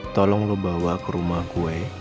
tolong lo bawa ke rumah kue